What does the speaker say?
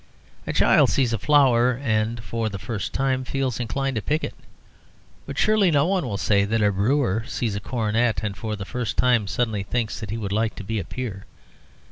A child sees a flower and for the first time feels inclined to pick it. But surely no one will say that a brewer sees a coronet and for the first time suddenly thinks that he would like to be a peer.